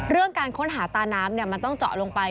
การค้นหาตาน้ำมันต้องเจาะลงไป